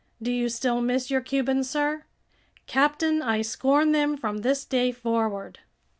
Do you still miss your Cubans, sir?" "Captain, I scorn them from this day forward."